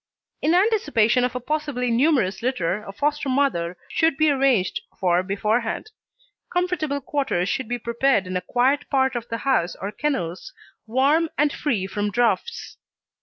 In anticipation of a possibly numerous litter, a foster mother should be arranged for beforehand. Comfortable quarters should be prepared in a quiet part of the house or kennels, warm, and free from draughts.